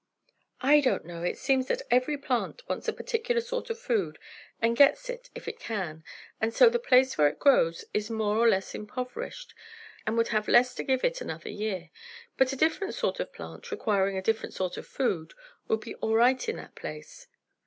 "I don't know! It seems that every plant wants a particular sort of food, and gets it, if it can; and so, the place where it grows is more or less impoverished, and would have less to give it another year. But a different sort of plant requiring a different sort of food, would be all right in that place."